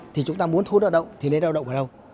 thì chúng ta muốn thu đạo động thì nên lao động ở đâu